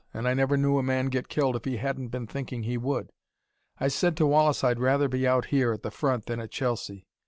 And I never knew a man get killed if he hadn't been thinking he would. I said to Wallace I'd rather be out here, at the front, than at Chelsea.